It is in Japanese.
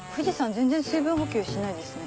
全然水分補給しないですね。